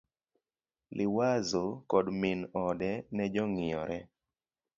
Liwazo koda min ode ne jong'iyore